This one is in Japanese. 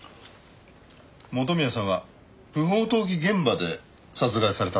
元宮さんは不法投棄現場で殺害されたんですよね？